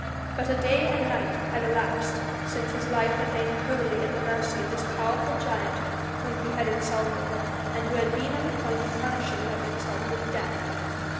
But a day and a night had elapsed since his life had lain wholly at the mercy of this powerful giant whom he had insulted, and who had been on the point of punishing that insult with death.